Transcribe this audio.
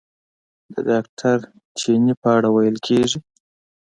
د ډاکټر چیني په اړه ویل کېږي.